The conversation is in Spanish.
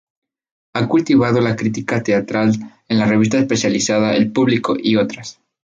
Ha cultivado la crítica teatral en la revista especializada "El Público" y otras.